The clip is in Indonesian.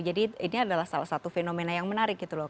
jadi ini adalah salah satu fenomena yang menarik gitu loh